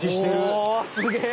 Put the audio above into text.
すげえ！